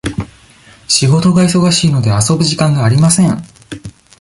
仕事が忙しいので、遊ぶ時間がありません。